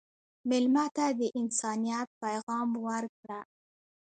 مېلمه ته د انسانیت پیغام ورکړه.